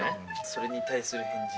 それに対する返事。